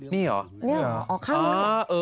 นี่เหรอ